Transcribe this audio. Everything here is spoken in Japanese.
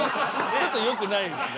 ちょっとよくないですね。